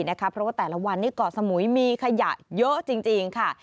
เพราะว่าแต่ละวันนี้เกาะสมุยมีขยะเยอะจริงค่ะ